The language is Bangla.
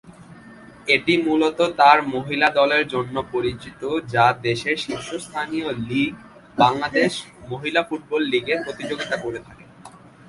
এটি মূলত তার মহিলা দলের জন্য পরিচিত যা দেশের শীর্ষস্থানীয় লীগ বাংলাদেশ মহিলা ফুটবল লীগে প্রতিযোগিতা করে থাকে।